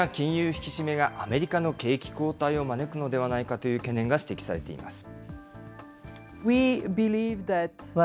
引き締めがアメリカの景気後退を招くのではないかという懸念が指摘されています。